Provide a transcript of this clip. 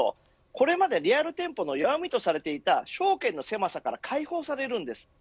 これまでリアル店舗の弱みとされていた商圏の狭さから解放されるんです。